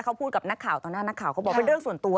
เขาพูดกับนักข่าวต่อหน้านักข่าวเขาบอกเป็นเรื่องส่วนตัว